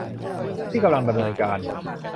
ที่กำลังดำเนินการ